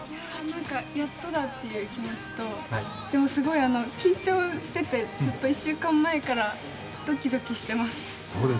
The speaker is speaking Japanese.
やっとだという気持ちと、でもすごい緊張してて、ずっと１週間前からドキドキしてます。